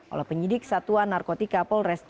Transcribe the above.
oleh penyidik satuan narkotika polres